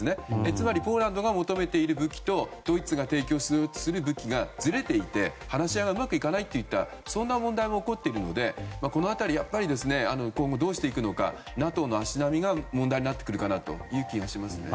つまり、ポーランドが求めている武器とドイツが提供している武器がずれていて、話し合いがうまくいかないという問題も起こっているのでこの辺り、やっぱり今後、どうしていくのかＮＡＴＯの足並みが問題になってくる気がしますね。